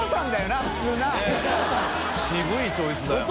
ねぇ渋いチョイスだよな。